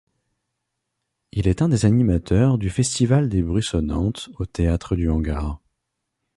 Il est un des animateurs du festival des Bruissonnantes au théâtre du Hangar.